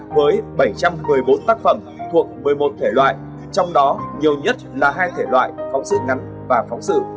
với bảy trăm một mươi bốn tác phẩm thuộc một mươi một thể loại trong đó nhiều nhất là hai thể loại phóng sự ngắn và phóng sự